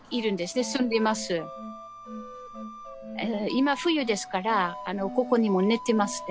今冬ですからここにも寝てますね。